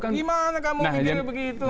gimana kamu sendiri begitu